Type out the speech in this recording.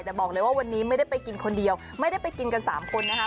แต่บอกเลยว่าวันนี้ไม่ได้ไปกินคนเดียวไม่ได้ไปกินกัน๓คนนะคะ